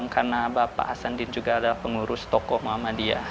karena bapak hasan din juga adalah pengurus tokoh mama dia